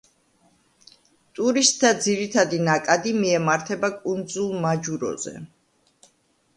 ტურისტთა ძირითადი ნაკადი მიემართება კუნძულ მაჯუროზე.